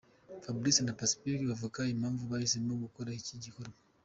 Fabrice na Pacifique bavuga impamvu bahisemo gukora iki gikorwa.